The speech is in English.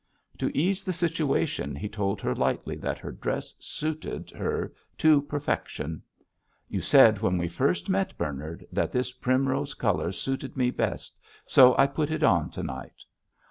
To ease the situation he told her lightly that her dress suited her to perfection. "You said when we first met, Bernard, that this primrose colour suited me best, so I put it on to night."